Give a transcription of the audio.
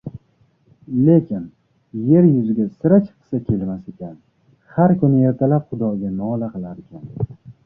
Lekin yer yuziga sira chiqqisi kelmas ekan. Har kuni ertalab Xudoga nola qilarkan.